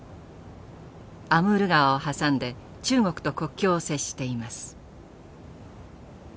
アムール川を挟んで中国と国境を接しています。